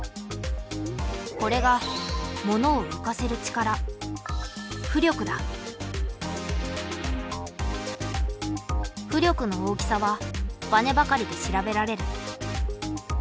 これが物を浮かせる力浮力の大きさはバネばかりで調べられる。